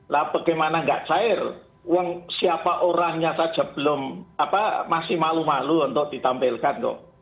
lah bagaimana nggak cair siapa orangnya saja masih malu malu untuk ditampilkan kok